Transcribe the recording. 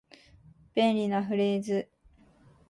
便利なフレーズ